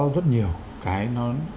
rất nhiều cái nó